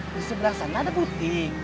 di sebelah sana ada putih